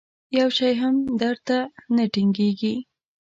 یو شی هم در ته نه ټینګېږي.